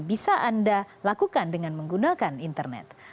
bisa anda lakukan dengan menggunakan internet